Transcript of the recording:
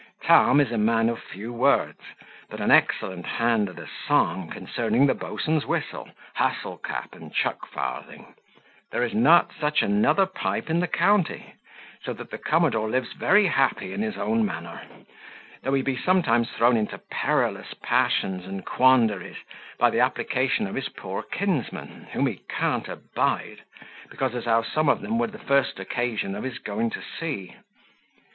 Tom is a man of few words, but an excellent hand at a song concerning the boatswain's whistle, hustle cap, and chuck farthing there is not such another pipe in the county so that the commodore lives very happy in his own manner; though he be sometimes thrown into perilous passions and quandaries, by the application of his poor kinsmen, whom he can't abide, because as how some of them were the first occasion of his going to sea.